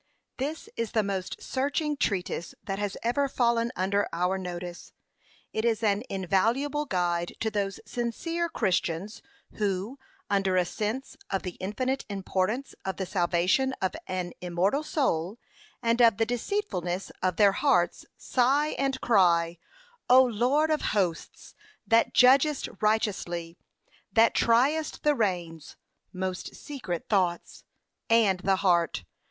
This is the most searching treatise that has ever fallen under our notice. It is an invaluable guide to those sincere Christians, who, under a sense of the infinite importance of the salvation of an immortal soul, and of the deceitfulness of their hearts, sigh and cry, "O Lord of hosts, that judgest righteously, that triest the reins (most secret thoughts) and the heart.'